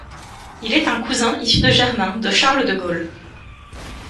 Il est un cousin issu de germain de Charles de Gaulle.